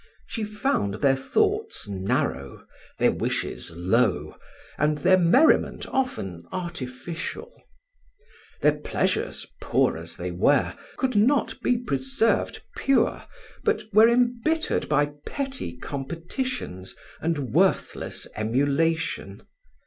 She found their thoughts narrow, their wishes low, and their merriment often artificial. Their pleasures, poor as they were, could not be preserved pure, but were embittered by petty competitions and worthless emulation.